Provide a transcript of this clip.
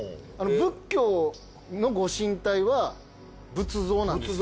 仏教のご神体は仏像なんですよ。